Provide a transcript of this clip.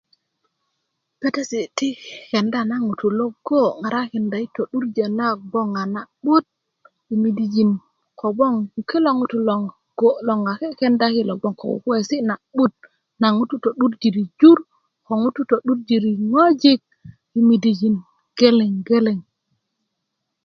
petesi ti kenda na ŋutu logo ŋarakinda i to'durjö nagon na 'but i midijin kogwon kilo ŋutu logo logon a ke kenda kulo bgöŋ ko kukuwesi na'but naŋ ŋutu to'durjiri jur ko ŋutu to'durjiri ŋwajik i midijin geleŋ geleŋ